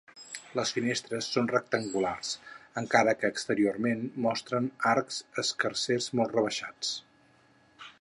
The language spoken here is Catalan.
Les finestres són rectangulars, encara que exteriorment mostren arcs escarsers molt rebaixats.